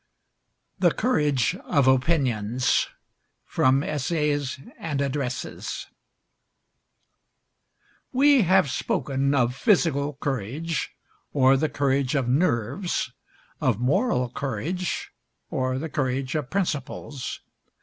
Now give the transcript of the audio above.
THE COURAGE OF OPINIONS From 'Essays and Addresses' We have spoken of physical courage, or the courage of nerves; of moral courage, or the courage of principles.